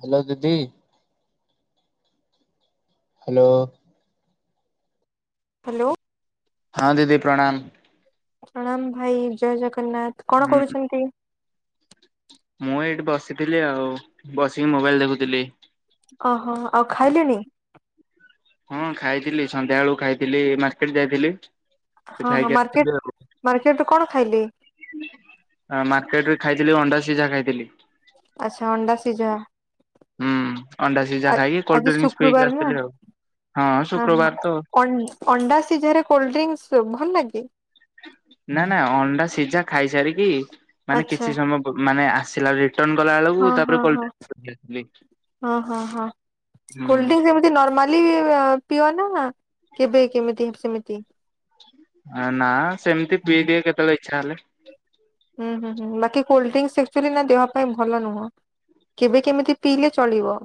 Hello ଦିଦି hello hello ହଁ ଦିଦି ପ୍ରଣାମ୍ ପ୍ରଣାମ୍ ଭାଇ ଜୟ ଜଗନ୍ନାଥ କଣ ହୁଁ କରୁଛନ୍ତି? ମୁଁ ଏଇଠି ବସିଥିଲି ଆଉ ବସିକି ମୋବାଇଲ୍ ଦେଖୁଥିଲି। ଓହୋ ଆଉ ଖାଇଲେଣି? ହଁ ଖାଇଥିଲି ସନ୍ଧ୍ୟା ବେଳକୁ ଖାଇଥିଲି ମାର୍କେଟ୍ ଯାଇଥିଲି। ସେ ହଁ ହଁ ଖାଇକି ମାର୍କେଟ୍ ମାର୍କେଟ୍ ରେ କଣ ଖାଇଲେ? ମାର୍କେଟରେ ଖାଇଥିଲି ଅଣ୍ଡା ସିଝା ଖାଇଥିଲି। ଆଚ୍ଛା ଅଣ୍ଡା ସିଝା ହୁଁ ଅଣ୍ଡା ସିଝା ଆ ଖାଇକି କୋଲ୍ଡ ଆଜି ଡିର୍ଙ୍କସ୍ ପିଇକି ଶୁକ୍ରବାର ନା ଆସଥିଲି ଆଉ ହଁ ଶୁକ୍ରବାର ହଁ। ତ। ଅନ୍ ଅଣ୍ଡା ସିଝରେ କୋଲ୍ଡ ଡ୍ରିଙ୍କ୍ସ୍ ଭଲ ଲାଗେ? ନା ନା ଅଣ୍ଡା ସିଝା ଖାଇସାରିକି ମାନେ ଆଚ୍ଛା କିଛି ସମୟ ମାନେ ଆସିଲା ଲାଳକୁ ହଁ ତାପରେ ହଁ ହଁ। ହଁ ହଁ ହଁ କୋଲ୍ଡଡ୍ରିଙ୍କସ [unintelligible] ଏମିତି ନର୍ମାଲି ପିଅ ନା କେବେ କେମିତି ସେମିତି? ନା ସେମିତି ପିଇଦି ଏ କେତେବେଳେ ଇଚ୍ଛା ହେଲେ। ହୁଁ ହୁଁ ହୁଁ ବାକି କୋଲ୍ଡ୍ରିଙ୍କସଚୁଲି ନା ଦେହ ପାଇଁ ଭଲ ନୁହଁ। କେବେ କେମିତି ପିଇଲେ ଚଳିବ।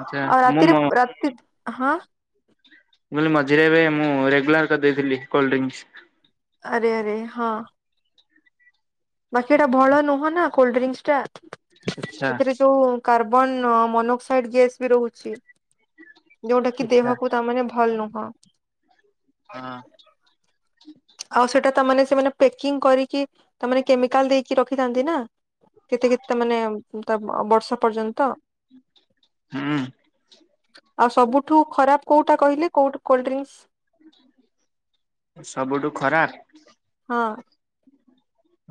ଆଚ୍ଛା ଆଉ ମୁଁ ରାତିରେ ମୋ ରାତି ହଁ ବୁଲି ମଝିରେ ଏବେ ମୁଁ ରେଗୁଲାର୍ କରିଦେଇଥିଲି କୋଲ୍ଡ ଡ୍ରିନ୍କ୍। ଆରେ ଆରେ ହଁ ବାକି ଏଟା ଭଲ ନୁହଁ ନା କୋଲ୍ଡଡ୍ରିଙ୍କସ୍ ଟା ଆଚ୍ଛା ସେଥିରେ ଯୋଉ କାର୍ବନ୍ ମୋନୋକ୍ସାଇଡ୍ ଗ୍ୟାସ୍ ବି ରହୁଛି। ଯୋଉଟା କି ଆଚ୍ଛା। ଦେହକୁ ତାମାନେ ଭଲ୍ ନୁହଁ। ହଁ। ଆଉ ସେଟା ତାମାନେ ସେମାନେ ପ୍ୟାକିଂ କରିକି ତାମାନେ କେମିକାଲ୍ ଦେଇକି ରଖିଥାନ୍ତି ନା। କେତେ କେତେ ମାନେ ତା ବର୍ଷ ପର୍ଯ୍ୟନ୍ତ। ହୁଁ। ଆଉ ସବୁଠୁ ଖରାପ୍ କୋଉଟା କହିଲେ କଉଠୁ କୋଲ୍ଡ ଡ୍ରିଙ୍କସ୍। ସବୁଠୁ ଖରାପ୍ ହଁ।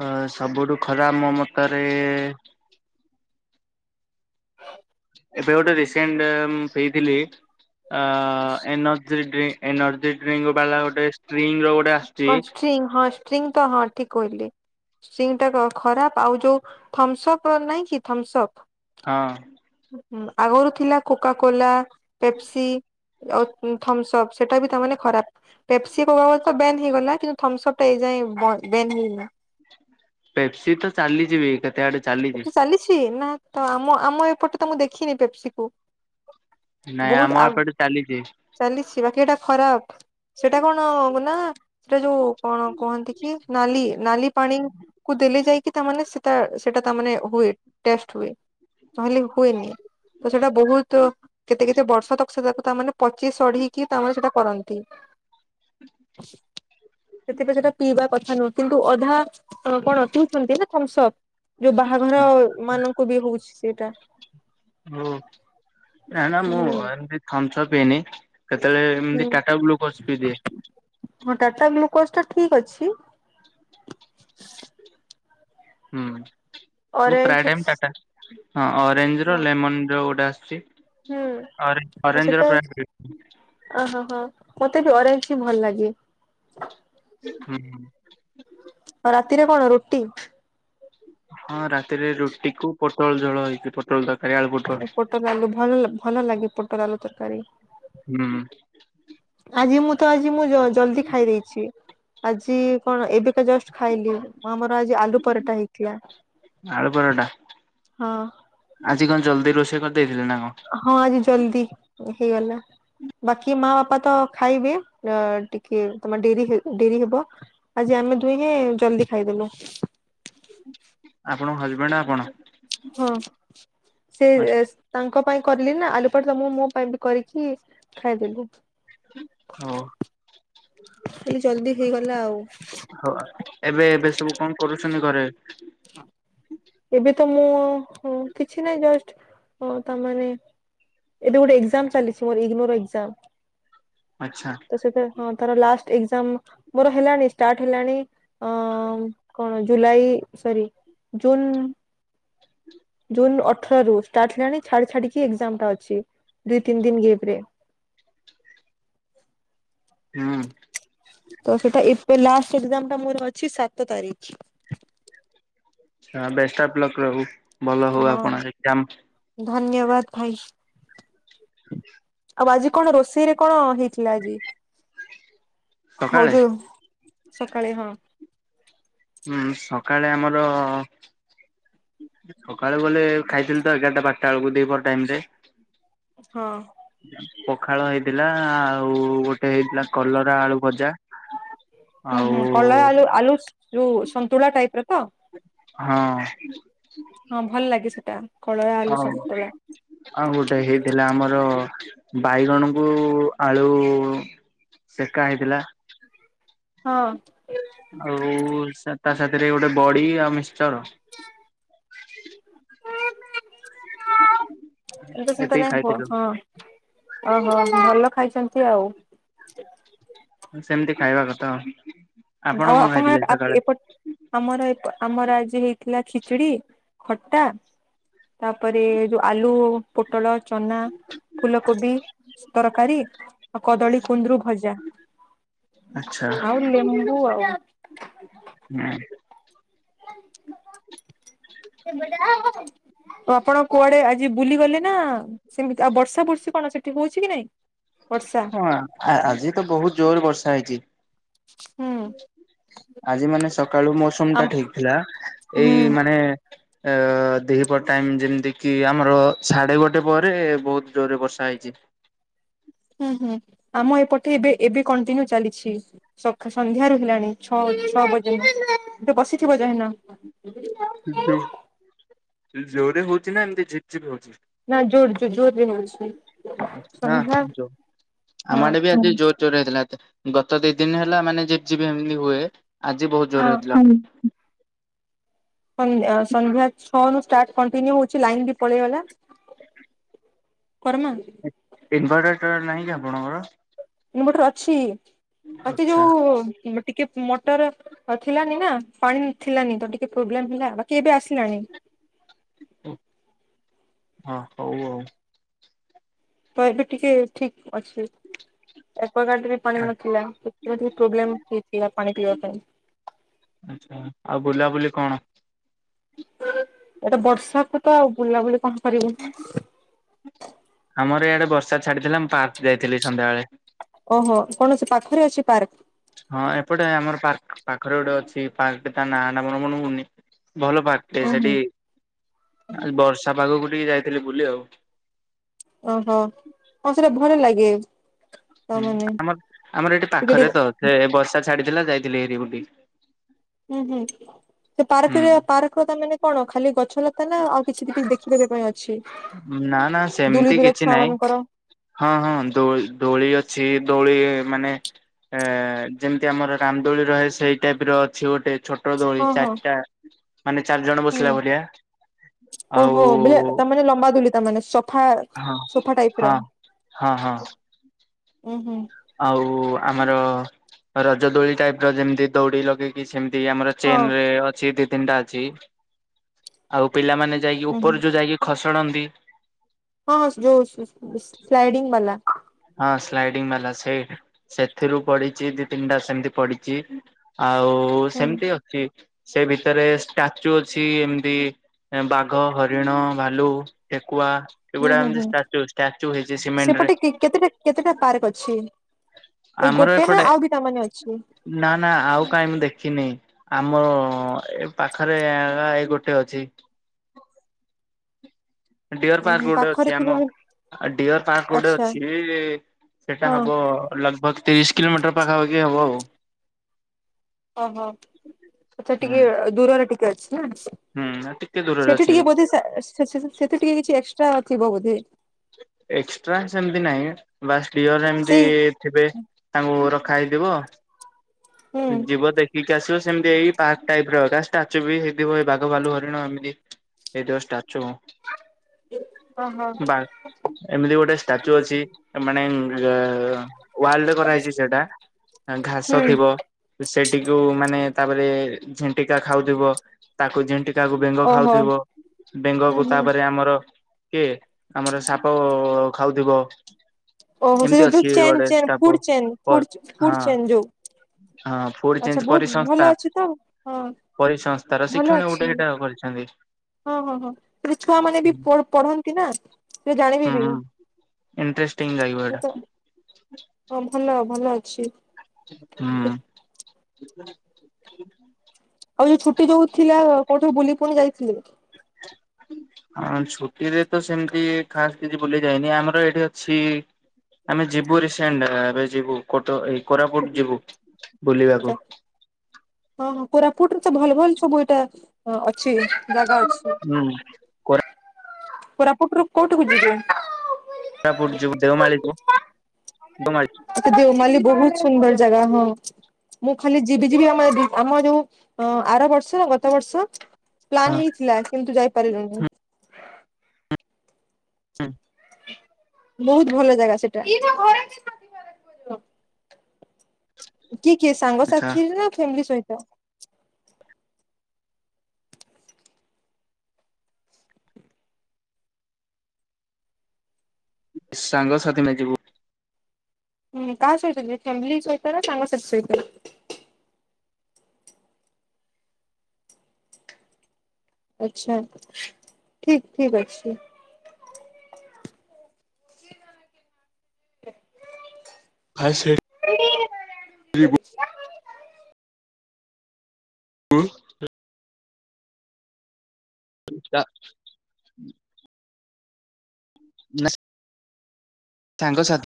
ଅ ସବୁଠୁ ଖରା ମୋ ମତରେ ଏବେ ଗୋଟେ ରିସେଣ୍ଟ୍ ମୁଁ ପିଥିଲି ଏନ୍ର୍ଜି ଡିର୍। ଏନର୍ଜି ଡ୍ରିଙ୍କ୍ ବାଲା ଗୋଟେ ସ୍ପ୍ରିଙ୍ଗ୍ ର ଗୋଟେ ଆସୁଛି। ଷ୍ଟ୍ରି ହଁଷ୍ଟ୍ରିଙ୍ଗ୍ ତ ହଁ ଠିକ୍ କହିଲେ। ସିଙ୍ଗ୍ ଟା ଖରାପ ଆଉ ଯୋଉ ଥମ୍ସ୍ ଅପ୍ ନାହିଁ କି ଥମ୍ସ୍ ଅପ୍ ହଁ। ହୁଁ ଆଗରୁ ଥିଲା କୋକା କୋଲା ପେପ୍ସି୍। ଆଉ ଥମ୍ସ୍ ଅପ୍ ସେଇଟା ବି ତାମାନେେ ଖରାପ୍। ପେପ୍ସି କୋକାକୋଲ ତ ବ୍ୟାନ୍ ହେଇଗଲା କିନ୍ତୁ ଥମ୍ସପ୍ ଟାଇ ଏ ଯାଏ ବନ୍ ବେନ୍ ହେଇନି। ପେପ୍ସି ତ ଚାଲିଯିବି କେତେ ଆଡେ। ଚାଲିଛି। ଏଠ ଚାଲିଛି ନା ତ ଆମ ଆମ ଏପଟେ ତ ମୁଁ ଦେଖିନି ପେପ୍ସି କୁ। ନାଇଁ ବହୁତ ଆମ ଆ ଏପଟେ ଚାଲିଛି। ଚାଲିଛି ବାକି ଏଟା ଖରାପ। ସେଇଟା କଣ ନା ସେଟା ଯୋଉ କଣ କୁହନ୍ତି କି ନାଲି ନାଲି ପାଣିଙ୍ଗି। କୁ ଦେଲେ ଯାଇକି ତାମାନେ ସେଟା ସେଟା ତାମାନେ ହୁଏ ଟଷ୍ଟ ହୁଏ। ନହେଲେ ହୁଏନି ତ ସେଇଟା ବୋହୁତ୍ କେତେ କେତେ ବର୍ଷ ତକ ସେ ତାକୁ ତାମାନେ ପଚି ସଢିକି ତାମାନେ ସେଟା କରନ୍ତି। [inaudible] ସେଥିପାଇଁ ସେଟା ପିଇବା କଥା ନୁହଁ କିନ୍ତୁ ଅଧା କଣ ପିଉଛନ୍ତି ନା ଥମ୍ସପ୍। ଯୋଉ ବାହାଘର ମାନଙ୍କୁ ବି ହଉଛି ସେଇଟା। ଓ ନା ନା ମୁଁ ହୁଁ ଏମିତି ଥମ୍ସପ ପିଇନି। କେତେବେଳେ ହୁଁ। ଏମିତି ଟାଟା ଗ୍ଲୁକୋଜ ପି ଦିଏ। ହଁ ଟାଟା ଗ୍ଲୁକୋଜ ଟା ଠିକ୍ ଅଛି। ହୁଁ ମୁଁ ଅରେଞ୍ଜ ପ୍ରାଏ ଟାଇମ୍ ଟାଟା ହଁ ଅରେଞ୍ଜ ର ହଁ ଲେମନ ର ଗୋଟେ ଆସିଛି। ହୁଁ ଅରେ ଅରେଞ୍ଜ ପ୍ର ଏ। ଓହୋ ହୋ ମତେ ବି ଅରେଞ୍ଜ ଭଲ ଲାଗେସ। ହୁଁ। ଆଉ ରାତିରେ କଣ ରୁଟି। ହଁ ରାତିରେ ରୁଟି କୁ ପୋଟଳ ଝୋଳ ହେଇକି ପୋଟଳ ତରକାରୀ ଆଳୁ ପୋଟଳ। ପଟଲ ଆଲୁ ଭଲ ଭଲ ଲାଗେ ପଟଲ ଆଲୁ ତରକାରୀ। ହୁଁ। ଆଜି ମୁଁ ତ ଆଜି ମୁଁ ଜଲ୍ଦୀ ଖାଇ ଦେଇଛି। ଆଜି କଣ ଏବେକା ଜଷ୍ଟ ଖାଇଲି। ଆମର ଆଜି ଆଲୁ ପରଟା ହେଇଥିଲା ଆଳୁ ପରଟା ହଁ। ଆଜି କଣ ଜଲ୍ଦି ରୋଷେଇ କରିଦେଇଥିଲେ ନା କଣ। ହଁ ଆଜି ଜଲ୍ଦୀ ହେଇଗଲା। ବାକି ମା ବାପା ତ ଖାଇବେ ଟିକେ ତମ ଡେରି ଡେରି ହେବ। ଆଜି ଆମେ ଦୁହେଁ ଜଲଦି ଖାଇଦେଲୁ। ଆପଣଙ୍କ ହଜବେଣ୍ଡ ଆପଣ। ହଁ ସେ ରେ ସେ ତାଙ୍କ ପାଇଁ କରଲିି ନା ଆଲୁପଟ ତ ମୁଁ ମୋ ପାଇଁ ବି କରିକି ଖାଇଦେଲି। ହଁ। ହେଲି ଜଲ୍ଦୀହେଇଗଲା ଆଉ। ହୋ ଆ ଏବେ ଏବେ ସବୁ କଣ କରୁଛନ୍ତି ଘରେ। ଏବେ ତ ମୁଁ କିଛି ନାହିଁ ଜଷ୍ଟ ତାମାନେ ଏବେ ଗୋଟେ ଏଜାମ୍ ଚାଲିଛି ମୋର ଇଗ୍ନୋର ଏଜାମ୍ ଆଚ୍ଛା ତ ସେଟା ହଁ ତାର ଲାଷ୍ଟ ଏଜାମ୍ ମୋର ହେଲାଣି ଷ୍ଟାର୍ଟ ହେଲାଣି। ଅ କଣ ଜୁଲାଇ ସରି ଜୁନ୍। ଜୁନ ଅଠର ରୁ ଷ୍ଟାର୍ଟ ହେଲାଣି ଛାଡି ଛାଡିକି ଏକ୍ଜାମ ଟା ଅଛି ଦୁଇ ତିନି ଦିନି ଗିପ୍ ରେ। ହୁଁ। ତ ସେଟା ଏପେ ଲାଷ୍ଟ ଏକ୍ସମ୍ ଟା ମୋର ଅଛି ସାତ ତାରିଖ। ଏଁ ବେଷ୍ଟ ଅଫ ଲକ୍ ରହୁ ଭଲ ହଉ ହଁ ଆପଣ ଏକ୍ସାମ। ଧନ୍ୟବାଦ ଭାଇ। ଆଉ ଆଜି କଣ ରୋଷେଇ ରେ କଣ ହେଇଥିଲା ଆଜି? ହଉ ସକାଳେ ଯୁ ସକାଳେ ହଁ। ହୁଁ ସକାଳେ ଆମର ସକାଳୁ ବଲେ ଖାଇଥିଲି ତ ଏଗାରଟା ବାରଟା ବେଳକୁ ଦିପର ଟାଇମ ରେ। ହଁ। ପଖାଳ ହେଇଥିଲା ଆଉ ଗୋଟେ ହେଇଥିଲା କଲରା ଆଳୁ ଭଜା। ହୁଁ ଆଉ ହୁଁ କଲଳା ଆଲୁ ଆଲୁ ଯୋଉ ସନ୍ତୁଳା ଟାଇପ ର ତ? ହଁ। ହଁ ଭଲ ଲାଗେ ସେଟା କଳଳା ଆଲୁ ଆଉ ସନ୍ତଳା। ଆଉ ଗୋଟେ ହେଇଥିଲା ଆମର ବାଇଗଣକୁ ଆଳୁ ସେକା ହେଇଥିଲା। ହଁ। ଆଉ ତା ସାଥିରେ ଗୋଟେ ବଡି ଆଉ ମିକ୍ସିଚର୍। ଏ ଚିନ୍ତା ଏତିକି ନାହିଁ ହୁଅ ଖାଇଥିଲୁ। ହଁ ଓହୋ ଭଲ ଖାଇଛନ୍ତି ଆଉ। ସେମିତି ଖାଇବା କଥା ଆ ଆପଣ କଣ ଖାଇଥିଲେ ସକାଳେ? ଏପଟ ଆମର ଏପ୍ ଆମର ଆଜି ହେଇଥିଲା ଖିଚୁଡି ଖଟା ତାପରେ ଯୋଉ ଆଳୁ ପୋଟଳ ଚନା ଫୁଲକୋବି ତରକାରୀ ଆଉ କଦଳୀ କୁନ୍ଦରୁ ଭଜା। ଆଛା। ଆଉ ଲେମ୍ବୁ ଆଉ। ହୁଁ। ତ ଆପଣ କୁଆଡେ ଆ ଯି ବୁଲି ଗଲେ ନା ସେମିତି ଆଉ ବର୍ଷା ବର୍ଷି କଣ ସେଠି ହଉଛି କି ନାଇଁ? ବର୍ଷା ହଁ ଆଜି ତ ବହୁତ ଜୋର ବର୍ଷା ହେଇଛି। ହୁଁ ଆଜି ମାନେ ସକାଳୁ ମୌସୁମ ଟା ଆମ ଠିକ ଥିଲା ହୁଁ ଏଇ ମାନେ ଏ ଦହିପର ଟାଇମ ଯେମିତି କିି ଆମର ସାଢ଼େ ଗୋଟେ ପରେ ବହୁତ ଜୋରରେ ବର୍ଷା ହେଇଛି। ହୁଁ ହୁଁ ଆମ ଏପଟେ ଏବେ ଏବେ କଣ୍ଟିନ୍ୟୁ ଚାଲିଛି। ସକା ସନ୍ଧ୍ୟାରୁ ହେଲାଣି ଛଅ ଛଅ ବଜେ ବସିଥିବ ଯାହନ। ଜୋରେ ହଉଛି ନା ଏମତି ଝିପଝିପ ହଉଛି। ନାଇ ଜୋରେ ଯୋ ଜୋରେ ହଉଛି ସମଝା। ଆମଡେ ବି ଆଜି ଜୋରଜୋର ହେଥିଲା। ଗତ ଦି ଦିନ ହେଲା ମାନେ ଝିପି ଝିପି ଏମିତି ହୁଏ। ଆଜି ବହୁତ ଜୋର ହଁ ହେଇଥିଲା। ସ ସନ୍ଧ୍ୟା ଛଅରୁୁ ଷ୍ଟାର୍ଟ କଣ୍ଟିନ୍ୟୁ ହଉଛି ଲାଇନ ବି ପଳେଇଗଲା। କରମା ଇ ଇନଭର୍ଟରଟା ନାହିଁ କି ଆପଣଙ୍କର? ମୁ ଗୋଟେରେ ଅଛି ବାକି ଆଚ୍ଛା ଯୋଉ ଟିକେ ମଟର ଥିଲାନି ନା ପାଣି ଥିଲାନି ତ ଟିକେ ପ୍ରୋବ୍ଲେମ ହେଲା ବାକି ଏବେ ଆସିଲାଣି। ହଁ ହଉ ଆଉ। ତ ଏବେ ଟିକେ ଠିକ ଅଛି। ଏକୱଗାର୍ଡ ରେ ପାଣି ନଥିଲା ସେଥିପାଇଁ ଟିକେ ପ୍ରୋବ୍ଲେମ୍ ହେଇଥିଲା ପାଣି ପିଇବା ପାଇଁ। ଆଚ୍ଛା ଆଉ ବୁଲାବୁଲି କଣ? ଏଟା ବର୍ଷାକୁ ତ ଆଉ ବୁଲାବୁଲି କଣ କରିବ? ଆମର ଇଆଡ଼େ ବର୍ଷା ଛାଡ଼ିଥିଲା ମୁଁ ପାର୍କ ଯାଇଥିଲି ସନ୍ଧ୍ୟାବେଳେ। ଓହୋ କଣ ସେ ପାଖରେ ଅଛି ପାର୍କ। ହଁ ଏପଟେ ଆମର ପାର୍କ ପାଖରେ ଗୋଟେ ଅଛି ପାର୍କ ତା ନାଁ ଟା ମୋର ମନେ ପଡ଼ୁନି ଭଲ ପାର୍କ। ଟେ ଉଁ ହୁଁ ସେଠି ବର୍ଷା ପାଗକୁ ଟିକେ ଯାଇଥିଲି ବୁଲି ଆଉ। ଓହୋ ହ ସେଇଟା ଭଲ ଲାଗେ। ହୁଁ ତାମାନେ ଆମ ଆମର ଏଠି ଟିକେ ପାଖରେ ଟିକେ ତ ସେ ବର୍ଷା ଛାଡ଼ିଥିଲା ଯାଇଥିଲି ଏରି ବୁଲି। ହୁଁ ହୁଁ ସେ ପାର୍କରେ ହୁଁ। ପାର୍କ ତା ମାନେ କଣ ଖାଲି ଗଛ ଲତା ନା ଆଉ କିଛି ଟିକି ଦେଖିଦବା ପାଇଁ ଅଛି। ନା ନା ଦୁଲି ସେମିତି ଦୁଲା କିଛି ଛୁଆ ନାହିଁ। ମାନଙ୍କର ହଁ ହଁ ଦୋ ଦୋଳି ଅଛି ଦୋଳି ମାନେ ଏ ଯେମିତି ଆମର ରାମଦୋଳି ରହେ ସେଇ ଟାଇପ ର ଅଛି ଗୋଟେ ଛୋ ଟ ଦୋଳି ହଁ ହଁ ଚାରିଟା ମାନେ ଚାରି ଜଣ ହୁଁ ବସିଲା ଭଳିଆ। ଆଉ ଓହୋ ବେଳେ ତାମାନେ ଲମ୍ବା ଦୋଳି। ତାମାନେ ସୋଫା ହଁ ସୋଫା ହଁ ଟାଇପର ହଁ ହଁ। ଉଁ ହୁଁ। ଆଉ ଆମର ରଜ ଦୋଳି ଟାଇପର ଯେମିତି ଦଉଡ଼ି ଲଗେଇକି ସେମିତି ଆମର ହଁ ଚେନରେ ଅଛି ଦି ତିନିଟା ଅଛି ଆଉ ପିଲାମାନେ ଯାଇକି ହୁଁ ଉପରୁ ଯୋଉ ଯାଇକି ଖସଡ଼ନ୍ତି ହଁ ଯୋଉ ସ୍ଲାଇଡିଙ୍ଗ ବାଲା। ହଁ ସ୍ଲାଇଡିଙ୍ଗ ବାଲା ସେଇ ସେଥିରୁ ପଡ଼ିଛି ଦି ତିନିଟା ସେମିତି ପଡ଼ିଛି ଆଉ ହୁଁ ସେମିତି ଅ ଚି ସେ ଭିତରେ ଷ୍ଟାଚୁ ଅଛି ଏମିତି ଏ ବାଘ, ହରିଣ, ଭାଲୁ, ଠେକୁଆ ହୁଁ ଏଗୁଡ଼ାକ ହୁଁ ଏମିତି ହୁଁ ଷ୍ଟାଚୁ ଷ୍ଟାଚୁ ହେଇଚି ସିମେଣ୍ଟ ସେପଟେ ରେ। କେତେଟା କେତେଟା ପାର୍କ ଅଛି ଏଇ ଆମର ଗୋଟେ ନା ଏପଟେ ଆଉ ବି ତାମାନେ ଅଛି? ନା ନା ଆଉ କାଇଁ ମୁଁ ଦେଖିନି। ଆମର ଏ ପାଖରେ ଆ ଏଇ ଗୋଟେ ଅଛି। ଡ଼ିଅର ଉଁ ପାର୍କ ହୁଁ ଗୋଟେ ପାଖରେ ଅଛି ଆମ ଥିବ ଡ଼ିଅର ପାର୍କ ଗୋଟେ ଆଚ୍ଛା ଅଛି। ଏ ସେଟା ହଁ ହବ ଲଗଭଗ ତିରିଶ କିଲୋମିଟର ପାଖାପାଖି ହବ ଆଉ। ଓହୋ ଆଚ୍ଛା ହୁଁ ଟିକେ ଦୂରରେ ଟିକେ ଅଛି ନା। ହୁଁ ଟିକେ ଦୂରରେ ସେଠି ଅଛି ଟିକେ ବୋଧେ ସେ ସେ ସେଠି ଟିକେ କିଛି ଏକ୍ସଟ୍ରା ଥିବ ବୋଧେ। ଏକ୍ସଟ୍ରା ସେମିତି ନାହିଁ ବାସ୍ ଡ଼ିଅର ଏମିତି ସେଇ ଥିବେ ତାଙ୍କୁ ରଖା ହେଇଥିବ। ହୁଁ ଯିବ ଦେଖିକି ଆସିବ ସେମିତି ଏଇ ପାର୍କ ଟାଇପ ର ଏକା। ଷ୍ଟାଚୁ ବି ହେଇଥିବ ଏଇ ବାଘ, ଭାଲୁ, ହରିଣ ଏମିତି ହେଇଥିବ ଷ୍ଟାଚୁ। ଓହୋ ବା ଏମିତି ଗୋଟେ ଷ୍ଟାଚୁ ଅଛି ମାନେ ଏ ୱାର୍ଲଡ଼ କରାହେଇଛି ସେଇଟା ଘାସ ହୁଁ ଥିବ। ସେଟିକୁ ମାନେ ତାପରେ ଝିଣ୍ଟିକା ଖାଉଥିବ ତାକୁ ଝିଣ୍ଟି କାକୁ ବେଙ୍ଗ ଓହୋ ଖାଉଥିବ ହୁଁ ବେଙ୍ଗକୁ ହୁଁ ତାପରେ ଆମର କିଏ ଆମର ସାପ ଖାଉଥିବ। ଓହୋ ସେ ଏମିତି ଯୋଉ ଯୋଉ ଅଛି ଚେନ୍ ଗୋଟେ chain stop food chain food per food ହଁ। ଚେନ୍ ଯୋଉ ହଁ ଫୁଡ୍ ଆଚ୍ଛା ଚେଞ୍ଜ ବହୁତ ପରିସଂସ୍ଥା। ଭଲ ଅଛି ତ ହଁ ପରିସଂସ୍ଥାର ଭଲ ଶିକ୍ଷଣ ଅଛି ଗୋଟେ ହେଇଟା ଆଉ କରିଛନ୍ତି। ହଁ ହଁ ହଁ ହେଲେ ଛୁଆ ମାନେ ବି ହୁଁ ପଢ଼ ପଢ଼ନ୍ତି ନା। ସେ ଜାଣିବେ ବି ହୁଁ ଇଣ୍ଟରେଷ୍ଟିଂ ଲାଗିବ ଏଇଟା ତ। ହଁ ଭଲ ଭଲ ଅଛି। ହୁଁ। ଆଉ ଯୋଉ ଛୁଟି ଯୋଉ ଥିଲା କୋଉଠୁ ବୁଲି ପୁଣି ଯାଇଥିଲ। ହୁଁ। ହଁ ଛୁଟିରେ ତ ସେମିତି ଖାସ୍ କିଛି ବୁଲି ଯାଇନି। ଆମର ଏଇଠି ଅଛି। ଆମେ ଯିବୁ ରିସେଣ୍ଟ ଏବେ ଯିବୁ କଟ ଏ କୋରାପୁଟ ଯିବୁ ବୁଲିବାକୁ। ଆଛା ହଁ ହଁ କୋରାପୁଟରେ ତ ଭଲ ଭଲ ସବୁ ଏଇଟା ଅଛି। ଜାଗା ଅଛି ହୁଁ କୋରାପୁଟରୁୁ କୋଉଠିକୁ ଯିବେ? କୋରାପୁଟ ଯିବୁ ଦେଓମାଳିକୁ ଦେଓମାଳି ଆ ଦେଓମାଳିରେ ବହୁତ ସୁନ୍ଦର ଜାଗା ହଁ। ମୁଁ ଖାଲି ଯିବି ଯିବି ଆମ ଆମ ଯୋଉ ଆର ବର୍ଷ ଗତ ବର୍ଷ ପ୍ଲାନ୍ ହେଇଥିଲା କିନ୍ତୁ ଯାଇପାରିଲୁନି। ହୁଁ। ବହୁତ ଭଲ ଜାଗା ସେଇଟା। କିଏ କିଏ ସାଙ୍ଗସାଥି ନା ଫ୍ୟାମିଲି ସହିତ? ସାଙ୍ଗସାଥି ମେ ଯିବୁ। ହୁଁ କାହା ସହିତ ଯିବେ ଫ୍ୟାମିଲି ସହିତ ନା ସାଙ୍ଗ ସାଥି ସହିତ। ଆଛା ଠିକ୍ ଠିକ୍ ଅଛି। ହାଇସ ହୁଁ। ଯାଉଛୁ ନାଁ [unintelligible] ସାଙ୍ଗସାଥି